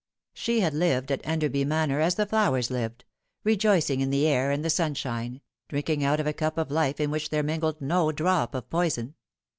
She had lived at Enderby Manor as the flowers lived, rejoicing in the air and the sunshine, drink ing out of a cup of life in which there mingled no drop of poison.